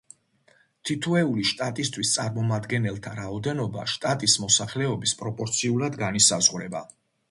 თითოეული შტატისთვის წარმომადგენელთა რაოდენობა შტატის მოსახლეობის პროპორციულად განისაზღვრება.